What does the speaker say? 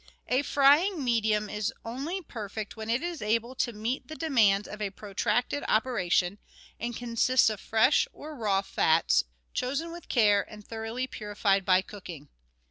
A frying medium is only perfect when it is able to meet the demands of a protracted operation, and consists of fresh or raw fats, chosen with care and thoroughly purified by cooking.